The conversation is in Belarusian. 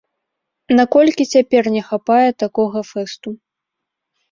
Наколькі цяпер не хапае такога фэсту?